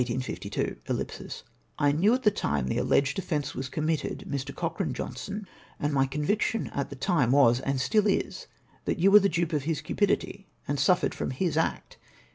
" I knew at the time the aheged offence was committed, Mr. Cochrane Johnstone, and my conviction at the time was, and still is, that yon were the dnpe of his cnpidity, and snffered from his act.